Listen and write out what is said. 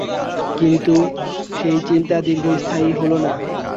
কিন্তু সেই চিন্তা দীর্ঘস্থায়ী হল না।